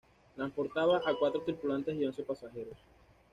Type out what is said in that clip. Transportaba a cuatro tripulantes y once pasajeros.